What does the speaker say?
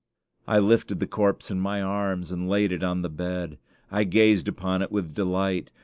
I lifted the corpse in my arms and laid it on the bed. I gazed upon it with delight.